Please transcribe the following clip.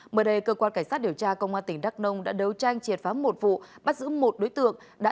mới đây cơ quan cảnh sát điều tra công an tỉnh đắk nông đã đấu tranh triệt phá một vụ bắt giữ một đối tượng